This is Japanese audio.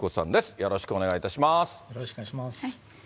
よろしくお願いします。